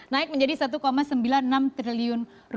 naik menjadi rp satu sembilan puluh enam triliun